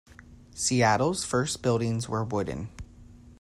Seattle's first buildings were wooden.